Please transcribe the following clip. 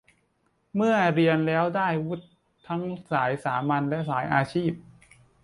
เมื่อเรียนแล้วได้วุฒิทั้งสายสามัญ และ สายอาชีพ